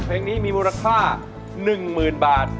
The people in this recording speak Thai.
เพลงนี้มีมูลค่า๑๐๐๐บาท